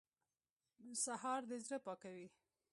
سهار د زړه پاکوي.